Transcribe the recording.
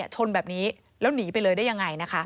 ชนแบบนี้แล้วหนีไปเลยได้ยังไงนะคะ